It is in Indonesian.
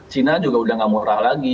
china juga sudah tidak murah lagi